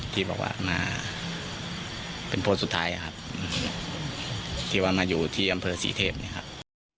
ที่บอกว่ามาเป็นโพสต์สุดท้ายครับที่ว่ามาอยู่ที่อำเภอศรีเทพเนี่ยครับ